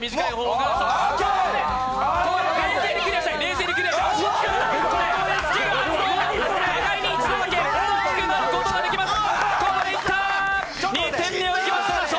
互いに一度だけ大きくなることができます。